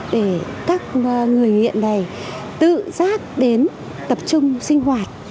để các người nghiện này tự giác đến tập trung sinh hoạt